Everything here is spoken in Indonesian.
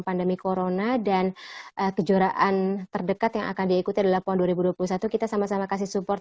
pandemi corona dan kejuaraan terdekat yang akan diikuti adalah pon dua ribu dua puluh satu kita sama sama kasih support